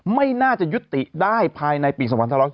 ไม่น่าจะยุติได้ภายในปี๒๕๖๒